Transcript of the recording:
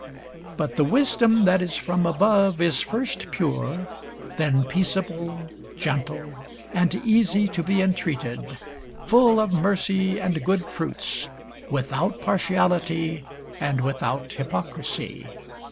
But the wisdom that is from above is first pure, then peaceable, gentle, and easy to be intreated, full of mercy and good fruits, without partiality, and without hypocrisy.